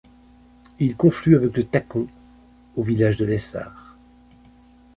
Il conflue avec le Tacon au village de l'Essard.